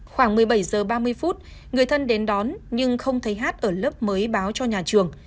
khoảng một mươi bảy h ba mươi phút người thân đến đón nhưng không thấy hát ở lớp mới báo cho nhà trường